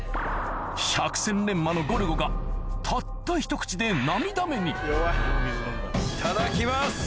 百戦錬磨のゴルゴがたったひと口で涙目にいただきます。